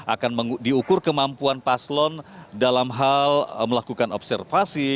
akan diukur kemampuan paslon dalam hal melakukan observasi